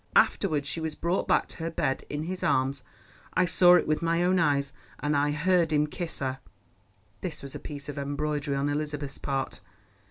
Afterwards she was brought back to her bed in his arms—I saw it with my own eyes, and I heard him kiss her." (This was a piece of embroidery on Elizabeth's part.)